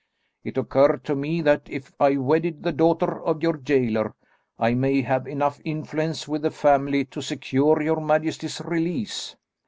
It occurred to me that if I wedded the daughter of your gaoler, I may have enough influence with the family to secure your majesty's release."